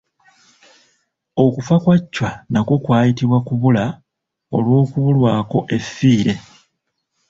Okufa kwa Chwa nakwo kwayitibwa kubula olw'okubulwako effiire.